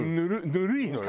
ぬるいのよ。